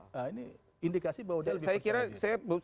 nah ini indikasi bahwa dia lebih pesan lagi